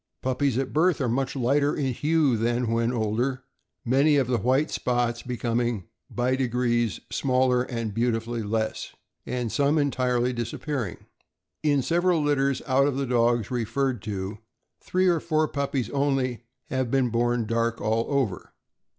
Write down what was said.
Puppies are at birth much lighter in hue than when older, many of the white spots becoming "by degrees smaller and beautifully less," and some entirely disappear ing. In several litters out of the dogs referred to, three or four puppies only have been born dark all over.